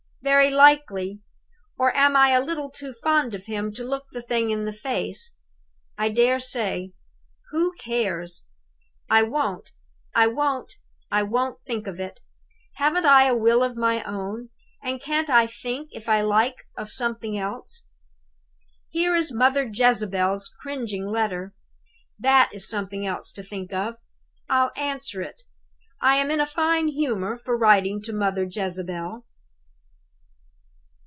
Very likely. Or am I a little too fond of him to look the thing in the face? I dare say. Who cares? "I won't, I won't, I won't think of it! Haven't I a will of my own? And can't I think, if I like, of something else? "Here is Mother Jezebel's cringing letter. That is something else to think of. I'll answer it. I am in a fine humor for writing to Mother Jezebel."